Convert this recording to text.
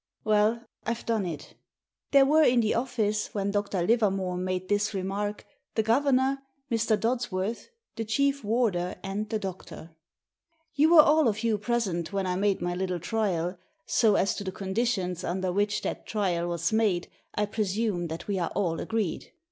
"Well, I've done it!" There were in the office when Dr. Livermore made this remark — the governor, Mr. Dodsworth, the chief warder, and the doctor. " You were all of you present when I made my little trial, so as to the conditions under which that trial was made I presume that we are all agreed.